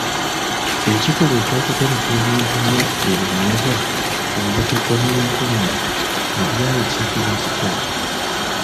Ekikolwa ekyokutereka ebintu nga ebinyeebwa, obutiko n'entungo mu byayi kiyitibwa kitya?